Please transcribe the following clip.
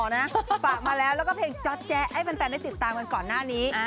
ฝากมาแล้วแล้วก็เพลงจ๊อตแจ๊ให้แฟนได้ติดตามกันก่อนหน้านี้